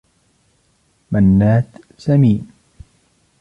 منّاد سمين.